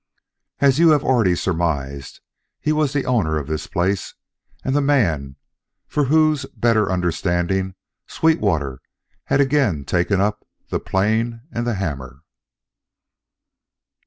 As you have already surmised, he was the owner of this place; and the man for whose better understanding Sweetwater had again taken up the plane and the hammer.